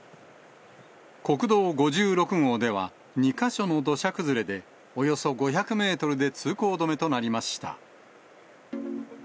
国道５６号では、２か所の土砂崩れで、およそ５００メートルで通行止めとなりました。